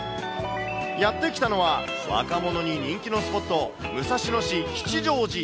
やって来たのは若者に人気のスポット、武蔵野市吉祥寺。